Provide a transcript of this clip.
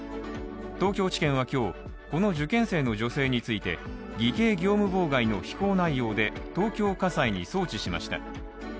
東京地検は今日、この受験生の女性について偽計業務妨害の非行内容で東京家裁に送致しました。